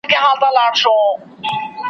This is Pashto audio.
دلته هلته به هوسۍ وې څرېدلې ,